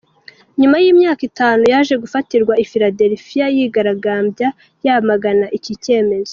Nyuma y’imyaka itanu yaje gufatirwa i Philadelphia yigaragambya yamagana iki cyemezo.